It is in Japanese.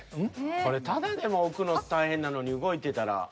これただでも置くの大変なのに動いてたら。